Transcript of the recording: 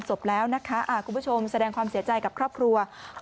สวัสดีครับ